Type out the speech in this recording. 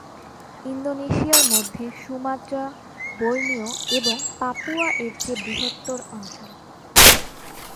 ইন্দোনেশিয়ার মধ্যে Sumatra, Borneo এবং পাপুয়া এর চেয়ে বৃহত্তর অঞ্চল।